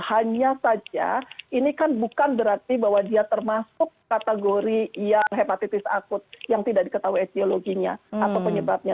hanya saja ini kan bukan berarti bahwa dia termasuk kategori yang hepatitis akut yang tidak diketahui etiologinya atau penyebabnya